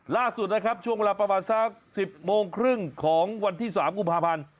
ล่าสุดนะครับช่วงเวลาประมาณสัก๑๐โมงครึ่งของวันที่๓กุมภาพันธ์